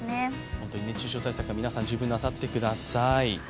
本当に熱中症対策は皆さん十分なさってください。